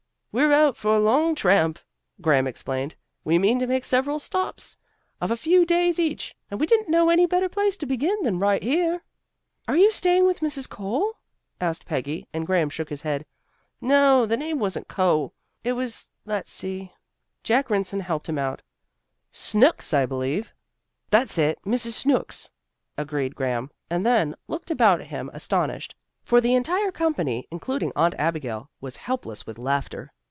"We're out for a long tramp," Graham explained. "We mean to make several stops of a few days each, and we didn't know any better place to begin than right here." "Are you staying with Mrs. Cole?" asked Peggy, and Graham shook his head. "No, the name wasn't Cole. It was let's see." Jack Rynson helped him out. "Snooks, I believe." "That's it, Mrs. Snooks," agreed Graham, and then looked about him astonished, for the entire company, including Aunt Abigail, was helpless with laughter.